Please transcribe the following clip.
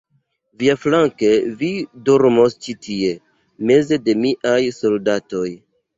Viaflanke, vi dormos ĉi tie, meze de miaj soldatoj.